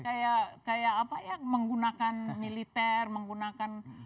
kayak apa ya menggunakan militer menggunakan